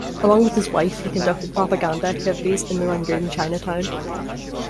Along with his wife he conducted propaganda activities in the Rangoon Chinatown.